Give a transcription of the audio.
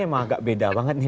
emang agak beda banget nih